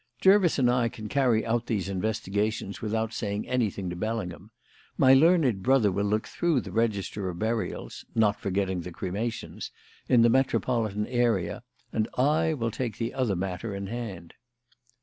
Jervis and I can carry out these investigations without saying anything to Bellingham; my learned brother will look through the register of burials not forgetting the cremations in the metropolitan area, and I will take the other matter in hand."